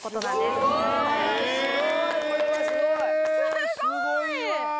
すごいわ。